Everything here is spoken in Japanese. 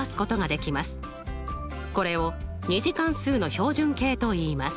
これを２次関数の標準形といいます。